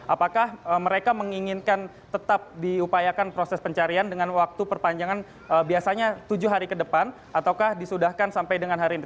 apakah mereka menginginkan tetap diupayakan proses pencarian dengan waktu perpanjangan biasanya tujuh hari ke depan ataukah disudahkan sampai dengan hari ini